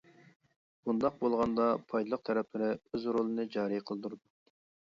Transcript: بۇنداق بولغاندا پايدىلىق تەرەپلىرى ئۆز رولىنى جارى قىلدۇرىدۇ.